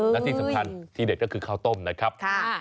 และที่สำคัญที่เด็ดก็คือข้าวต้มนะครับ